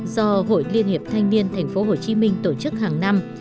do hội liên hiệp thanh niên tp hcm tổ chức hàng năm